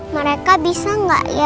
mereka bisa gak ya